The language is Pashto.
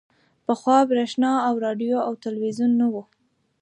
پخوا برېښنا او راډیو او ټلویزیون نه وو